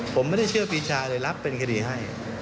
ผมไม่ได้เชื่อปีชาเลยรับเป็นคดีให้